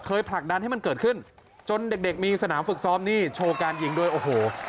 ผลักดันให้มันเกิดขึ้นจนเด็กมีสนามฝึกซ้อมนี่โชว์การยิงด้วยโอ้โห